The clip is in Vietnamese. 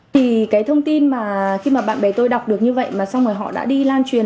thì cái thông tin mà khi mà bạn bè tôi đọc được như vậy mà xong rồi họ đã đi lan truyền